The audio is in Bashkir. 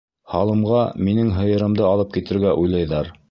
Һалымға минең һыйырымды алып китергә уйлайҙар.